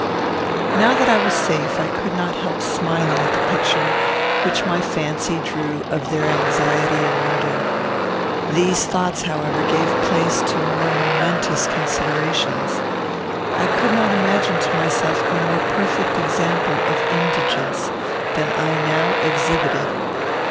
Now that I was safe I could not help smiling at the picture which my fancy drew of their anxiety and wonder. These thoughts, however, gave place to more momentous considerations. I could not imagine to myself a more perfect example of indigence than I now exhibited.